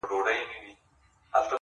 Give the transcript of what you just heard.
ته پاچا هغه فقیر دی بې نښانه!